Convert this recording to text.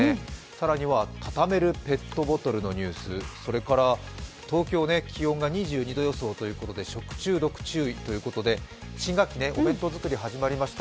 更には畳めるペットボトルのニュース、それから東京、気温が２２度予想ということで食中毒注意ということで、新学期、お弁当作り始まりました。